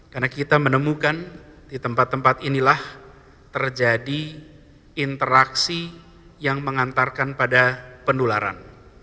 karena kita menemukan di tempat tempat inilah terjadi interaksi yang mengantarkan pada pendularan